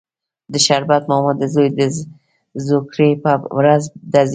د شربت ماما د زوی د زوکړې پر ورځ ډزې کېدې.